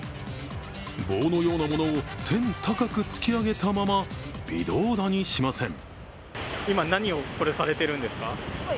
棒のようなものを天高く突き上げたまま、微動だにしません。